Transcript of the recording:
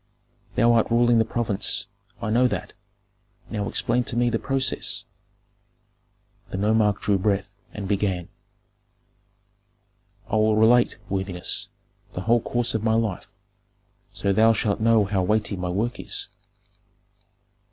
Thou art ruling the province I know that. Now explain to me the process." The nomarch drew breath and began, "I will relate, worthiness, the whole course of my life, so thou shalt know how weighty my work is.